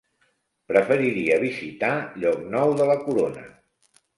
Preferiria visitar Llocnou de la Corona.